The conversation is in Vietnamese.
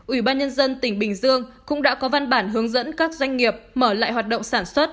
ủy ban nhân dân tỉnh bình dương cũng đã có văn bản hướng dẫn các doanh nghiệp mở lại hoạt động sản xuất